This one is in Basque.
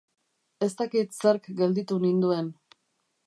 Ez dakit zerk gelditu ninduen.